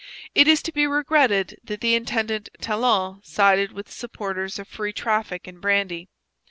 It is to be regretted that the intendant Talon sided with the supporters of free traffic in brandy.